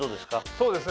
そうですね。